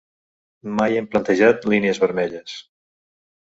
Mai hem plantejat línies vermelles.